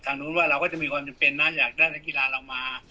นู้นว่าเราก็จะมีความจำเป็นนะอยากได้นักกีฬาเรามา